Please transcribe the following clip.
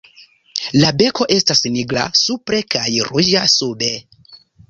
La beko estas nigra supre kaj ruĝa sube.